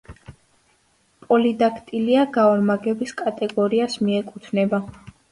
პოლიდაქტილია გაორმაგების კატეგორიას მიეკუთვნება.